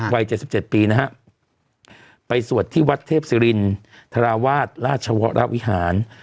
วัย๗๗ปีนะฮะไปสวดที่วัดเทพศิรินทราวาสราชวรวิหาร